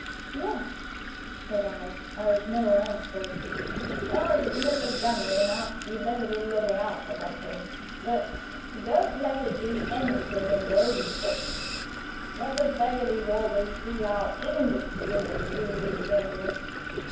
"Yes," said I, as no one else spoke. "Well, it is the middle of January now. You had better be looking out for something; but don't let it be anything in those books. Let the beggarly daubers see how English women do these things."